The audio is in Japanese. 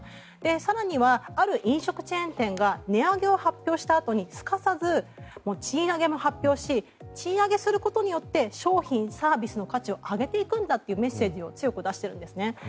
更には、ある飲食店チェーン店が値上げを発表したあとにすかさず賃上げも発表し賃上げすることによって商品、サービスの価値を上げていくんだというメッセージを強く出しているんですね。